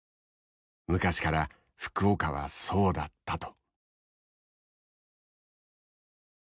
昔から福岡はそうだったと。